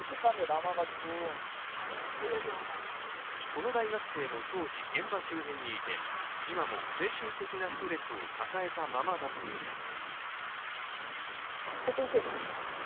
この大学生も当時、現場周辺にいて今も精神的なストレスを抱えたままだといいます。